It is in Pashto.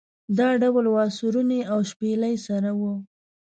له ډول و سورني او شپېلۍ سره و.